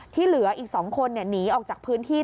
เหลืออีก๒คนหนีออกจากพื้นที่